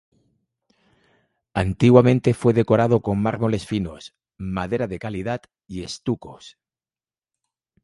Antiguamente fue decorado con mármoles finos, madera de calidad y estucos.